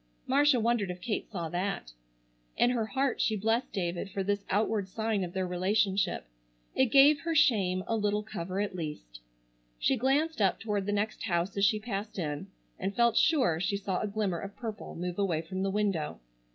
Marcia wondered if Kate saw that. In her heart she blessed David for this outward sign of their relationship. It gave her shame a little cover at least. She glanced up toward the next house as she passed in and felt sure she saw a glimmer of purple move away from the window.